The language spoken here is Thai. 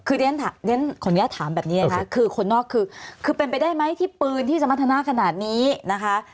เพราะฉะนั้นของย่าถามแบบนี้นะคะคือคนนอกคือเป็นไปได้ไหมที่ปืนที่สมรรถนาขนาดนี้นะคะ